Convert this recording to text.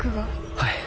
はい。